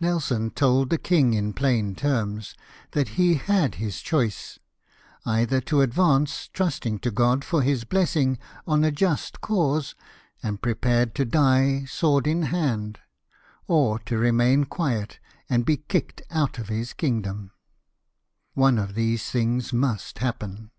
Nelson told the king in plain terms that he had his choice, either to advance, trusting to God for His blessing on a just cause, and prepared to die sword in hand, or to remain quiet and be kicked out of his kingdom — one of these things must happen.